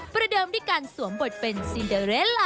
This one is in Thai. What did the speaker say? ประเดิมด้วยการสวมบทเป็นซีนเดอเรสลา